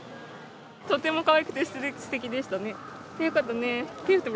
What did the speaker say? とてもかわいくて、すてきでしたね。よかったね。